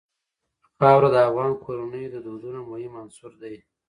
خاوره د افغان کورنیو د دودونو مهم عنصر دی.